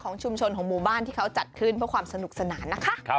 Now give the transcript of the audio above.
ของชุมชนของหมู่บ้านที่เขาจัดคืนเพื่อความสนุกสนาน